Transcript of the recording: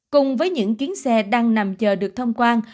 cùng với những kiến xe đang nằm chờ được thông quan